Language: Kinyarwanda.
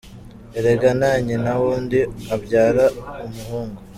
Erega “na nyina w’undi abyara umuhungu”!